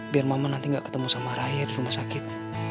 biar mama nanti gak ketemu sama raya di rumah sakit